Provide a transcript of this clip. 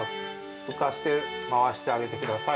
浮かして回してあげてください。